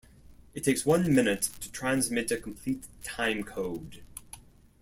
It takes one minute to transmit a complete time code.